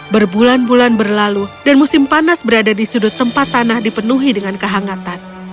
berbulan bulan berlalu dan musim panas berada di sudut tempat tanah dipenuhi dengan kehangatan